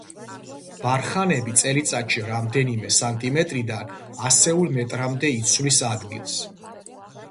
ბარხანები წელიწადში რამდენიმე სანტიმეტრიდან ასეულ მეტრამდე იცვლის ადგილს.